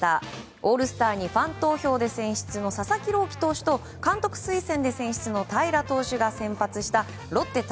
オールスターにファン投票で選出の佐々木朗希投手と監督推薦で選出の平良投手が先発したロッテ対